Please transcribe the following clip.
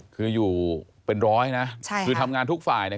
คืออยู่เป็นร้อยนะคือทำงานทุกฝ่ายเนี่ย